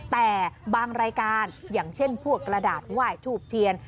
แต่บางรายการอย่างเช่นพวกกระดาษไหว้ทูบเทียน